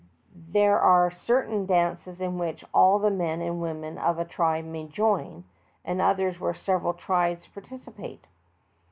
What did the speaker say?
There are certain dances in which all the men and women of a tribe may join, and others where several tribes participate.